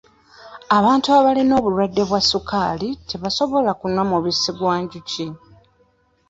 Abantu abalina obulwadde bwa ssukaali tebasobola kunywa mubisi gwa njuki.